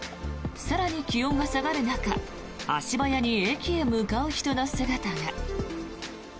更に気温が下がる中足早に駅へ向かう人の姿が。